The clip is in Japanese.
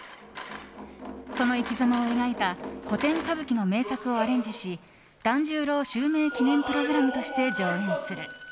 その生きざまを描いた古典歌舞伎の名作をアレンジし團十郎襲名記念プログラムとして上映する。